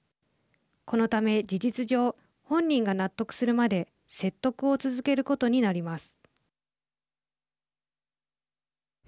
このため事実上本人が納得するまで説得を続けることになります。